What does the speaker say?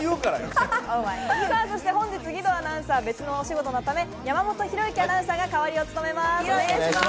本日、義堂アナウンサーは別の仕事のため、山本紘之アナウンサーが代わりを務めます。